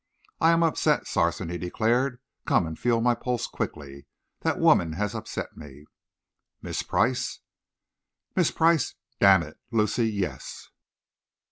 "I am upset, Sarson," he declared. "Come and feel my pulse quickly. That woman has upset me." "Miss Price?" "Miss Price, d n it! Lucy yes!"